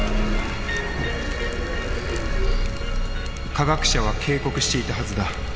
科学者は警告していたはずだ。